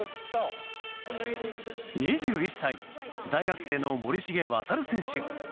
２１歳、大学生の森重航選手。